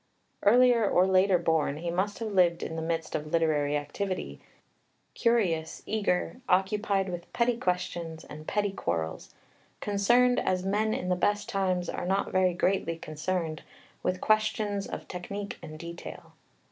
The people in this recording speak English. Earlier or later born, he must have lived in the midst of literary activity, curious, eager, occupied with petty questions and petty quarrels, concerned, as men in the best times are not very greatly concerned, with questions of technique and detail.